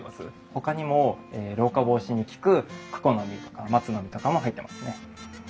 ほかにも老化防止に効くクコの実とか松の実とかも入ってますね。